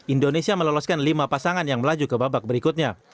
indonesia meloloskan lima pasangan yang melaju ke babak berikutnya